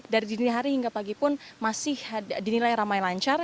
dari dini hari hingga pagi pun masih dinilai ramai lancar